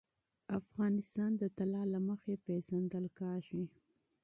افغانستان د طلا له مخې پېژندل کېږي.